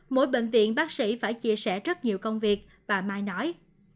mỗi bệnh viện bác sĩ phải chia sẻ rất nhiều công việc và mai nói